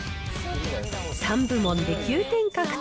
３部門で９点獲得。